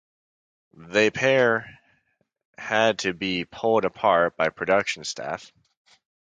They pair had to be pulled apart by production staff.